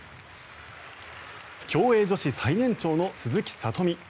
競泳女子最年長の鈴木聡美。